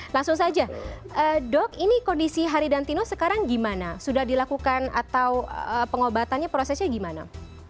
langsung saja dok ini kondisi haridantino sekarang gimana sudah dilakukan atau pengobatannya prosesnya gimana